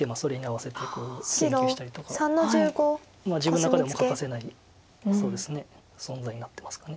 自分の中でも欠かせない存在になってますかね。